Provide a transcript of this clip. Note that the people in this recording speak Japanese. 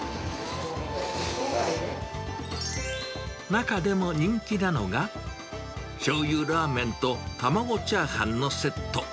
中でも人気なのが、しょうゆラーメンと卵チャーハンのセット。